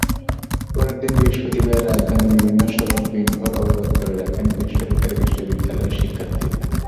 পরদিন বৃহস্পতিবার রাজধানীর বিভিন্ন সড়ক দিনভর অবরোধ করে রাখেন বেসরকারি বিশ্ববিদ্যালয়ের শিক্ষার্থীরা।